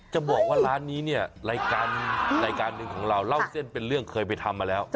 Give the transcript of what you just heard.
จะบอกว่าร้านนี้เนี่ยรายการรายการหนึ่งของเราเล่าเส้นเป็นเรื่องเคยไปทำมาแล้ว